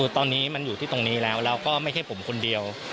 ตอนนี้มันอยู่ที่ตรงนี้แล้วแล้วก็ไม่ใช่ผมคนเดียว